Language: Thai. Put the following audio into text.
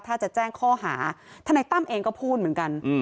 ถ้าจะแจ้งข้อหาธนายตั้มเองก็พูดเหมือนกัน